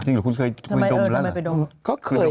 จริงหรอคุณเคยดมแล้วเหรอ